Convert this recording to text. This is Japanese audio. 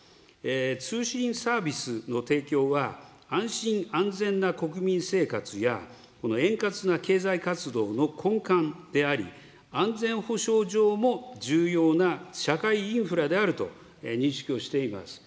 通信サービスの提供は安心安全な国民生活や、円滑な経済活動の根幹であり、安全保障上も重要な社会インフラであると認識をしています。